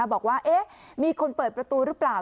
บอกว่ามีคนเปิดประตูหรือเปล่า